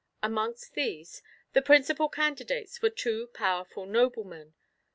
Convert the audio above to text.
Amongst these, the principal candidates, were two powerful noblemen.